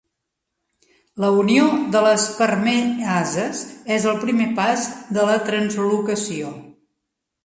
La unió de les permeases és el primer pas de la translocació.